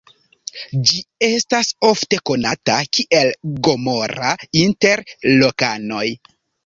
Ĝi estas ofte konata kiel "Gomora" inter lokanoj.